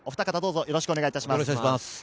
よろしくお願いします。